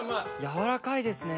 やわらかいですね。